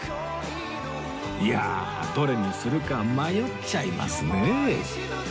いやどれにするか迷っちゃいますね